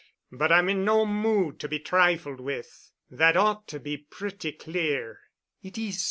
—but I'm in no mood to be trifled with. That ought to be pretty clear." "It is.